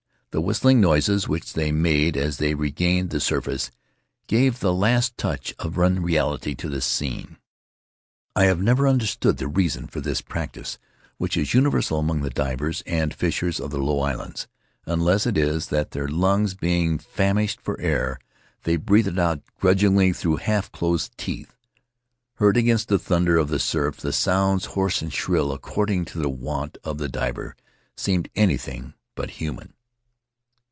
The whistling noises which they made as they regained the surface gave the last touch of unreality to the scene. I have never understood the reason for this practice which is universal among the divers and fishers of the Low Islands, unless it is that their lungs, being famished for air, they breathe it out grudgingly through half closed teeth. Heard against the thunder of the surf, the sounds, hoarse or shrill, according to the wont of the diver, seemed anything but human.